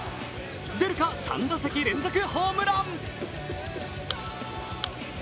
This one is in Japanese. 出るか、３打席連続ホームラン。